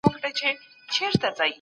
که ځوانان تاریخ ونه لولي نو تېروځي به.